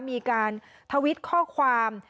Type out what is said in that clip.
มีการทวิตข้อความ